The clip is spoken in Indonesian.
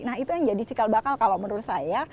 nah itu yang jadi cikal bakal kalau menurut saya